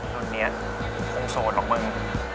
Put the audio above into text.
รุ่นนี้อาจจะคงโสดหรอกมึง